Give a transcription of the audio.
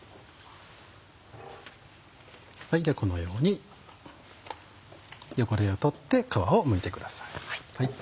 このように汚れを取って皮をむいてください。